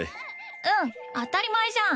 うん当たり前じゃん